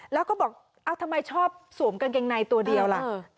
แล้วก็บอกทำไมชอบสวมกางเกงในตัวเดียวล่ะ